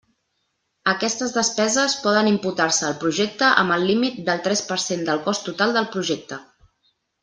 Aquestes despeses poden imputar-se al projecte amb el límit del tres per cent del cost total del projecte.